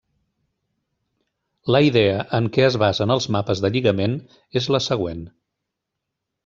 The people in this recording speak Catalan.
La idea en què es basen els mapes de lligament és la següent.